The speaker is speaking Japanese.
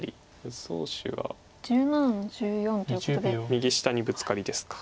右下にブツカリですか。